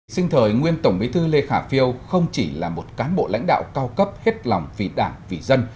sinh thời nguyên tổng bí thư lê khả phiêu không chỉ là một cán bộ lãnh đạo cao cấp hết lòng vì đảng vì dân